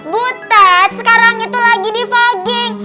butet sekarang itu lagi di fagging